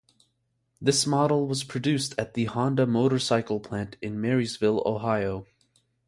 This model was produced at the Honda motorcycle plant in Marysville, Ohio.